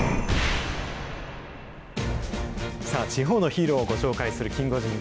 さあ、地方のヒーローをご紹介するキンゴジン。